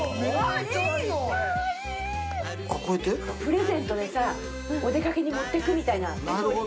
プレゼントでさお出掛けに持っていくみたいな。